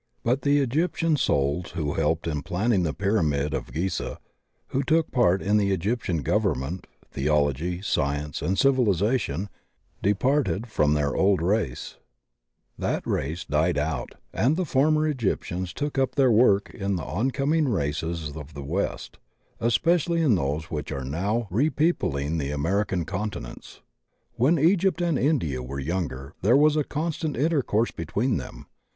But the Egyptian souls who helped in planning the pyramid of Gizeh, who took part in the Egyptian government, theology, science, and civilization, departed from their old race; 18 THE OCEAN OF THEOSOPHY that race died out and the former Egyptians took up their work in the oncoming races of the West, espe cially in those which are now repeopling the American continents. When Egypt and India were younger there was constant intercourse between them.